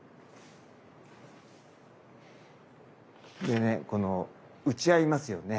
でねこの打ち合いますよね？